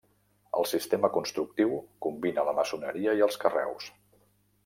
El sistema constructiu combina la maçoneria i els carreus.